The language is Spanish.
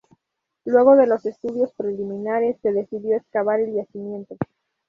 Luego de los estudios preliminares, se decidió excavar el yacimiento.